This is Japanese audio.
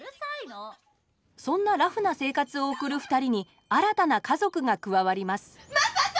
そんなラフな生活を送る２人に新たな家族が加わります正門！